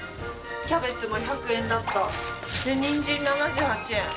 キャベツも１００円だった！でニンジン７８円。